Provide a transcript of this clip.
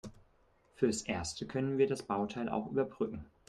Fürs Erste können wir das Bauteil auch überbrücken.